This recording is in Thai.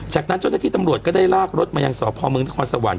จากนั้นเจ้าหน้าที่ตำรวจก็ได้ลากรถมายังสพเมืองนครสวรรค